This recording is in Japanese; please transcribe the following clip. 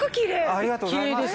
ありがとうございます。